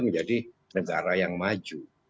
menjadi negara yang maju